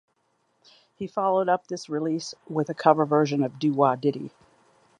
He followed up this release with a cover version of "Do Wah Diddy".